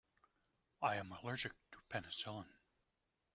I am allergic to penicillin.